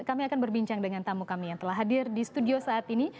kami akan berbincang dengan tamu kami yang telah hadir di studio saat ini